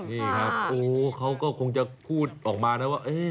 นี่ครับโอ้เขาก็คงจะพูดออกมานะว่า